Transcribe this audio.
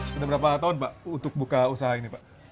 sudah berapa tahun pak untuk buka usaha ini pak